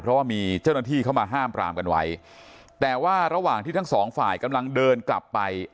เพราะว่ามีเจ้าหน้าที่เข้ามาห้ามปรามกันไว้แต่ว่าระหว่างที่ทั้งสองฝ่ายกำลังเดินกลับไป